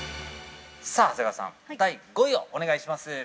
◆さあ長谷川さん、第５位をお願いします。